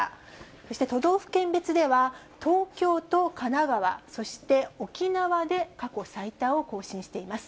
そして都道府県別では、東京と神奈川、そして沖縄で過去最多を更新しています。